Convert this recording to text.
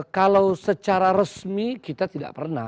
kalau secara resmi kita tidak pernah